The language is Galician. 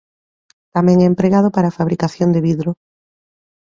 Tamén é empregado para a fabricación de vidro.